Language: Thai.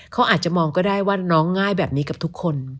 เขาอาจจะมองก็ได้ว่าน้องง่ายแบบนี้กับทุกคน